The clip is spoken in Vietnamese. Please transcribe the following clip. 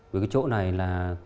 với cái chỗ này là